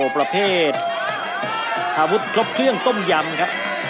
อ้อประเภทถังหาเวทย์ครบเครื่องต้มยำครับ